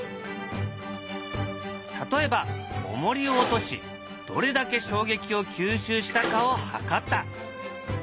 例えばおもりを落としどれだけ衝撃を吸収したかを測った。